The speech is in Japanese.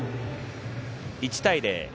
１対０。